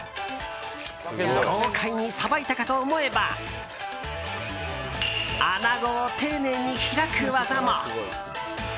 豪快にさばいたかと思えばアナゴを丁寧に開く技も！